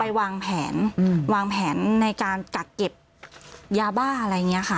วางแผนวางแผนในการกักเก็บยาบ้าอะไรอย่างนี้ค่ะ